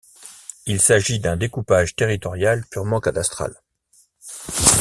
Il s'agit d'un découpage territorial purement cadastral.